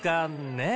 ねえ？